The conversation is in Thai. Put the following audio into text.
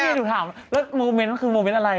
พี่เบนถูกถามมันคือโมเมนต์อะไร